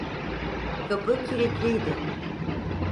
Kapı kilitliydi.